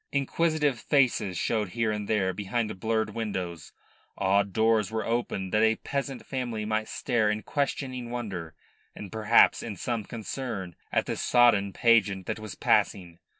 Inquisitive faces showed here and there behind blurred windows; odd doors were opened that a peasant family might stare in questioning wonder and perhaps in some concern at the sodden pageant that was passing.